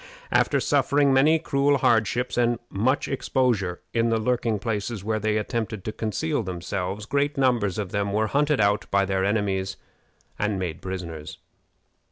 After suffering many cruel hardships and much exposure in the lurking places where they attempted to conceal themselves, great numbers of them were hunted out by their enemies and made prisoners.